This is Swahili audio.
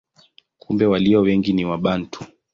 Kumbe walio wengi ni Wabantu.